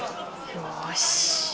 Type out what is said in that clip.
よし。